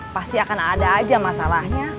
pasti akan ada aja masalahnya